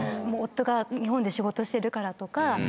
夫が日本で仕事してるからとか。